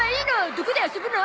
どこで遊ぶの？